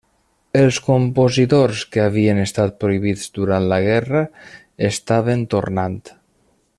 Els compositors que havien estat prohibits durant la guerra estaven tornant.